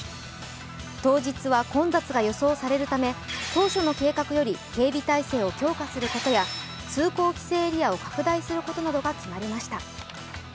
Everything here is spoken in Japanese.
当日は混雑が予想されるため当初の計画より警備態勢を強化することや通行規制エリアを拡大することなどが決まりました。